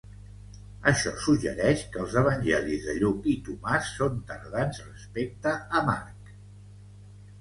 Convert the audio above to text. Això suggereix que els evangelis de Lluc i Tomàs són tardans respecte a Marc.